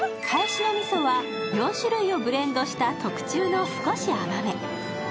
かえしのみそは４種類をブレンドした特注の少し甘め。